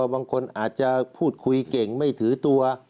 บางคนอาจจะพูดคุยเก่งไม่ถือตัว